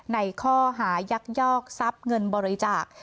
ในข้อหายักยอกทรัพย์เงินบริจาค